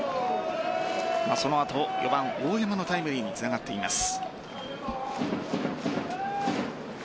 その後、４番・大山のタイムリーにつながっています。